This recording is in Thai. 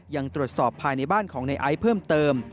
ยังตรวจสอบภายในบ้านของในไอซ์เพิ่มเติม